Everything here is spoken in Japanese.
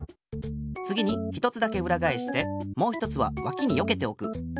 つぎに１つだけうらがえしてもう１つはわきによけておく。